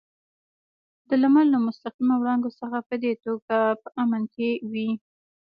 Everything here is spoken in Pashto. د لمر له مستقیمو وړانګو څخه په دې توګه په امن کې وي.